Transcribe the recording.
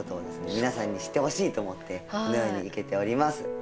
皆さんに知ってほしいと思ってこのように生けております。